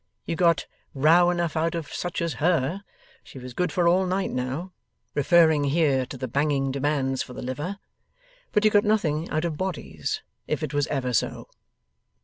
You got row enough out of such as her she was good for all night now (referring here to the banging demands for the liver), 'but you got nothing out of bodies if it was ever so.